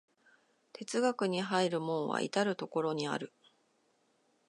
哲学に入る門は到る処にある。